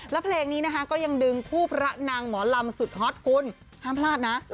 แล้วเพลงนี้นะคะก็ยังดึงคู่พระนางหมอลำสุดฮอตคุณ